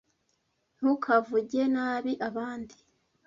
Ntukavuge nabi abandi.